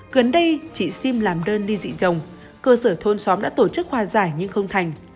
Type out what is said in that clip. gần đây chị sim làm đơn đi dị chồng cơ sở thôn xóm đã tổ chức hòa giải nhưng không thành